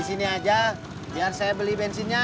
sini aja biar saya beli bensinnya